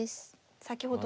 先ほどの。